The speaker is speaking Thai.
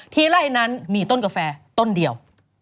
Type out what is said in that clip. ไล่นั้นมีต้นกาแฟต้นเดียว